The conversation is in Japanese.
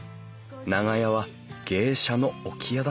長屋は芸者の置き屋だった。